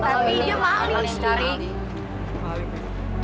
tapi dia maling